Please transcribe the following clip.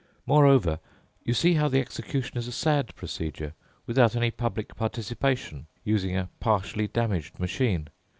Moreover, you see how the execution is a sad procedure, without any public participation, using a partially damaged machine.